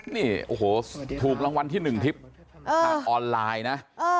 นี่โอ้โหถูกรางวัลที่๑ทิพย์ทางออนไลน์นะ